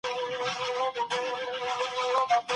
ډاکټره باید اوږده پاڼه ړنګه کړي.